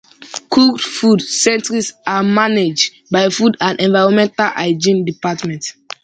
Cooked food centres are managed by Food and Environmental Hygiene Department.